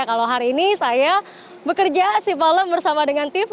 kalau hari ini saya bekerja si malam bersama dengan tim